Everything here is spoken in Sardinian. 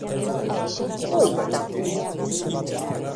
Proite?